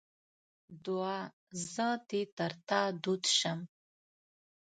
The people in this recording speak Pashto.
دوعا: زه دې تر تا دود سم.